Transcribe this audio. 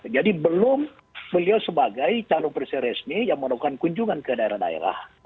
jadi belum beliau sebagai calon presiden resmi yang melakukan kunjungan ke daerah daerah